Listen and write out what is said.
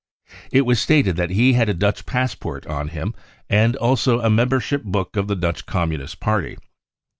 It was stated that he had a Dutch passport on him and also a*membership book of the Dutch Communist Party.